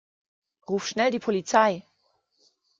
Ruf schnell die Polizei!